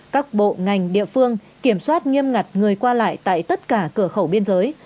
các bộ ngành địa phương kiểm soát nghiêm ngặt người qua lại tại tất cả cửa khẩu biên giới